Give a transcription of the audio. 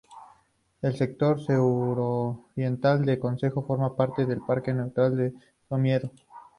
El sector suroriental del concejo forma parte del Parque Natural de Somiedo.